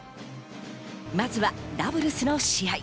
まずはダブルスの試合。